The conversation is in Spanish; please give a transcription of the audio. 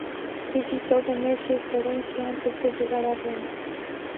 Visitó Venecia y Florencia antes de llegar a Roma.